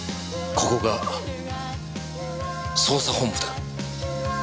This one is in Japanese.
ここが捜査本部だ。